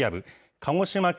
鹿児島県